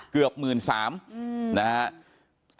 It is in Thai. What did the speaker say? เกือบ๑๓๐๐๐บาท